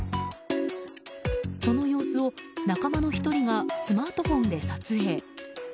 その様子を仲間の１人がスマートフォンで撮影。